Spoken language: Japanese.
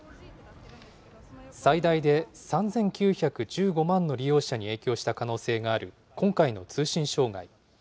最大で３９１５万の利用者に影響した可能性がある今回の通信障害。